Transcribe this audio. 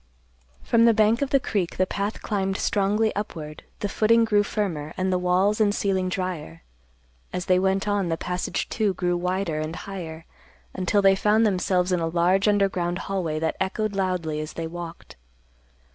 From the bank of the creek the path climbed strongly upward, the footing grew firmer, and the walls and ceiling drier; as they went on, the passage, too, grew wider and higher, until they found themselves in a large underground hallway that echoed loudly as they walked.